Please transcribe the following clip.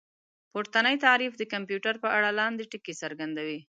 پورتنی تعريف د کمپيوټر په اړه لاندې ټکي څرګندوي